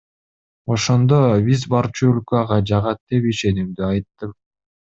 Ошондо, биз барчу өлкө ага жагат деп ишенимдүү айттым.